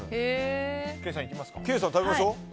ケイさん、食べましょう。